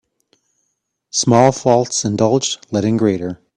Small faults indulged let in greater.